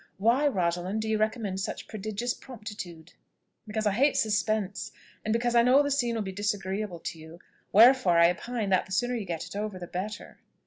Why, Rosalind, do you recommend such prodigious promptitude?" "Because I hate suspense, and because I know the scene will be disagreeable to you, wherefore I opine that the sooner you get over it the better."